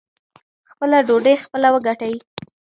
خپله ډوډۍ خپله وګټئ.